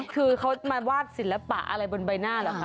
คือเขามาวาดศิลปะอะไรบนใบหน้าเหรอคะ